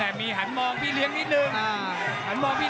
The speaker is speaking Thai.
และมีหันมองพี่เรียงนิดนึงพันลิศ